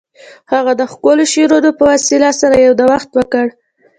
هغه د ښکلو شعرونو په ویلو سره یو نوښت وکړ